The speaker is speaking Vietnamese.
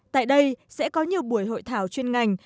tại đây sẽ có nhiều buổi hội thảo chuyên ngành